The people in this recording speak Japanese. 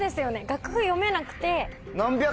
楽譜読めなくて。